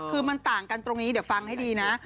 คือมันต่างกันตรงนี้เดี๋ยวฟังให้ดีนะ